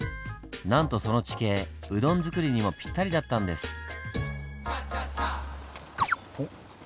なんとその地形うどん作りにもぴったりだったんです。